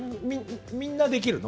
みんなできるの？